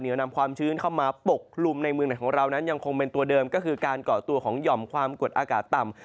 นำความชื้นเข้ามาปกคลุมในเมืองไหนของเรานั้นยังคงเป็นตัวเดิมก็คือการเกาะตัวของหย่อมความกดอากาศต่ำ